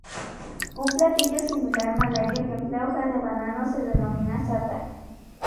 Un platillo similar malayo que emplea hoja de banano se denomina sata.